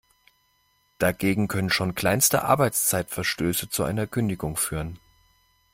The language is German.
Dagegen können schon kleinste Arbeitszeitverstöße zu einer Kündigung führen.